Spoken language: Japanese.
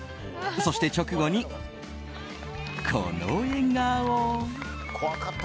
そして直後に、この笑顔。